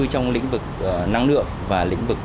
trong lĩnh vực năng lượng và lĩnh vực